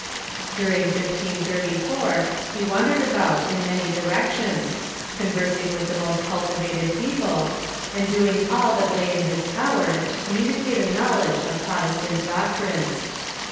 During 1534 he wandered about in manj" directions, conversing with the most cultivated people, and doing all that lay in his power to com municate a knowledge of Protestant doctrines.